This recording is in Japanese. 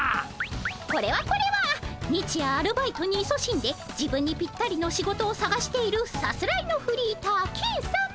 これはこれは日夜アルバイトにいそしんで自分にピッタリの仕事をさがしているさすらいのフリーターケンさま！